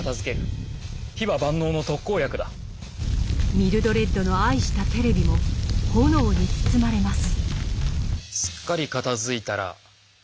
ミルドレッドの愛したテレビも炎に包まれます。